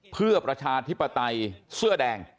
เพื่อประชาธิปไตยเสื้อแดง